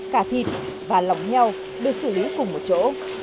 cả thịt và lòng nhau được xử lý cùng một chỗ